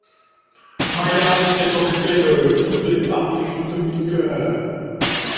Maya s’est occupée de toutes les parties rythmiques.